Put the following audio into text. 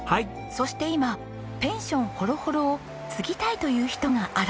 そして今ペンションほろほろを継ぎたいという人が現れたんです。